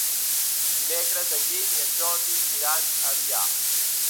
Dimecres en Guim i en Jordi iran a Avià.